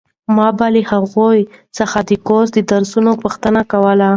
ما به له هغوی څخه د کورس د درسونو پوښتنې کولې.